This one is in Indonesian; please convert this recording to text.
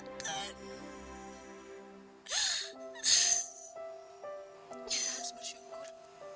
kita harus bersyukur